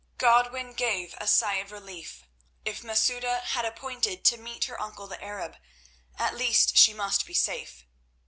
Godwin gave a sigh of relief. If Masouda had appointed to meet her uncle the Arab, at least she must be safe.